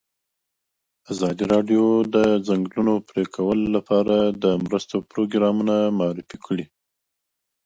ازادي راډیو د د ځنګلونو پرېکول لپاره د مرستو پروګرامونه معرفي کړي.